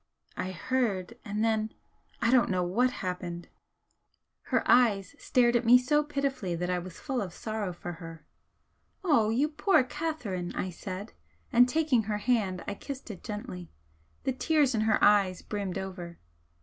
I heard, and then I don't know what happened." Her eyes stared at me so pitifully that I was full of sorrow for her. "Oh, you poor Catherine!" I said, and taking her hand, I kissed it gently. The tears in her eyes brimmed over.